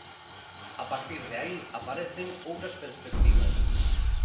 A partir de aí aparecen outras perspectivas.